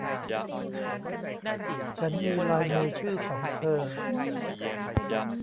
ฉันมีลายมือชื่อของเธอ